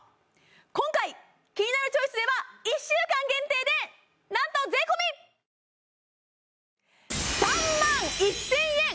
今回「キニナルチョイス」では１週間限定でなんと税込３万１０００円！